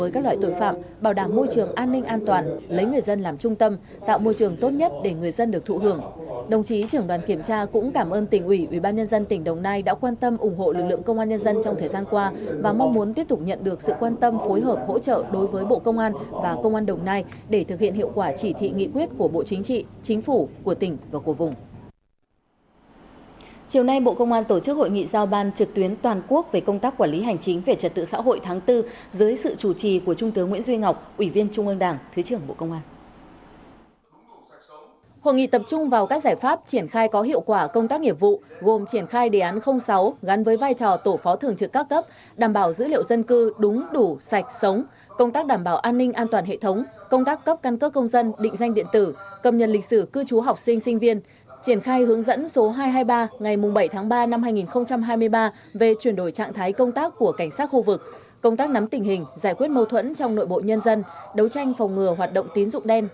công tác nắm tình hình giải quyết mâu thuẫn trong nội bộ nhân dân đấu tranh phòng ngừa hoạt động tín dụng đen